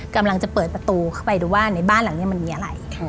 กำลังจะเปิดประตูเข้าไปดูว่าในบ้านหลังนี้มันมีอะไร